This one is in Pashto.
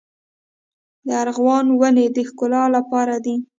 د ارغوان ونې د ښکلا لپاره دي؟